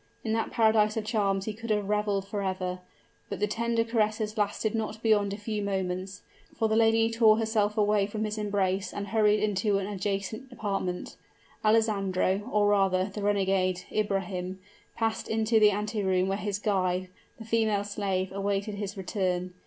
In that paradise of charms he could have reveled forever; but the tender caresses lasted not beyond a few moments, for the lady tore herself away from his embrace and hurried into an adjacent apartment. Alessandro or rather, the renegade, Ibrahim passed into the anteroom where his guide, the female slave, awaited his return.